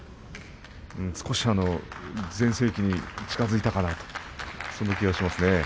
少し全盛期に近づいてきたかなという気がします。